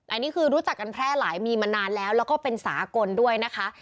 อันนี้คือรู้จักกันแพร่หลายมีมานานแล้วแล้วก็เป็นสากลด้วยนะคะ